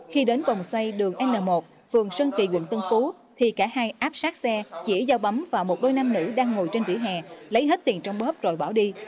khi đến vòng xoay đường n một phường sơn kỳ quận tân phú thì cả hai áp sát xe chỉa dao bấm vào một đôi nam nữ đang ngồi trên vỉa hè lấy hết tiền trong bếp rồi bỏ đi